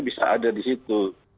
bisa ada di situ